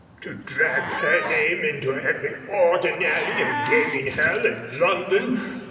To drag her name into every ordinary and gaming hell in London!